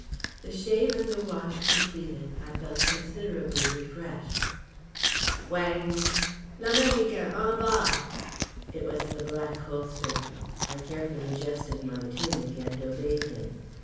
The shave and the wash completed I felt considerably refreshed. WHANG! "L'américain en bas!" It was the Black Holster. I carefully adjusted my tunic and obeyed him.